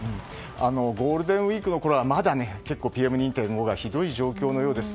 ゴールデンウィークのころはまだ、ＰＭ２．５がひどい状況のようです。